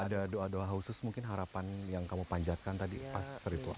ada doa doa khusus mungkin harapan yang kamu panjatkan tadi pas ritual